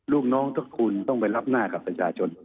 ลูกน้องทุกคนต้องไปรับหน้ากับประชาชน